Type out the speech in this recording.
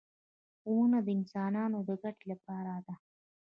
• ونه د انسانانو د ګټې لپاره ده.